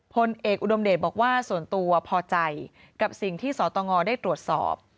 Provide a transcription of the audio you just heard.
พลเอกอุดมเดชบอกว่าส่วนตัวพอใจกับสิ่งที่สตงได้ตรวจสอบ